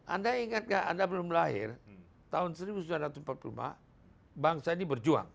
anda ingat nggak anda belum lahir tahun seribu sembilan ratus empat puluh lima bangsa ini berjuang